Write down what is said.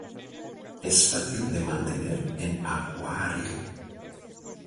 Es fácil de mantener en acuario.